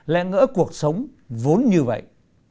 lẽ ngỡ cuộc sống vốn như vậy